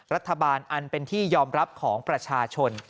อันเป็นที่ยอมรับของประชาชน